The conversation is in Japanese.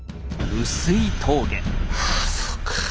あそっか。